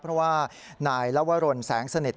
เพราะว่านายลวรรณแสงเสน็จ